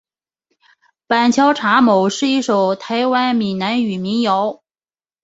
板桥查某是一首台湾闽南语民谣。